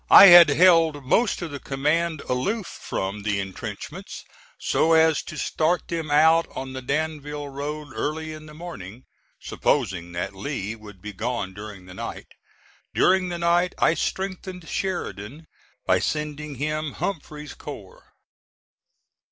I had held most of the command aloof from the intrenchments, so as to start them out on the Danville Road early in the morning, supposing that Lee would be gone during the night. During the night I strengthened Sheridan by sending him Humphreys's corps.